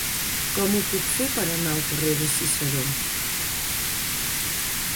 Com ho puc fer per anar al carrer de Ciceró?